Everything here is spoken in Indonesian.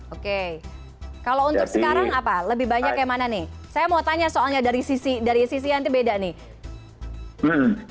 oke kalau untuk sekarang apa lebih banyak yang mana nih saya mau tanya soalnya dari sisi nanti beda nih